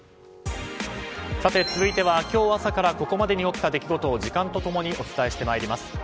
続いては、今日朝からここまでに起きた出来事を時間と共にお伝えしてまいります。